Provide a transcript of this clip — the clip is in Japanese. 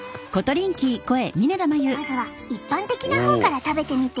まずは一般的な方から食べてみて。